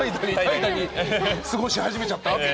怠惰に過ごし始めちゃった？